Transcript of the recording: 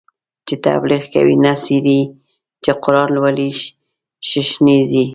چی تبلیغ کوی نڅیږی، چی قران لولی ششنیږی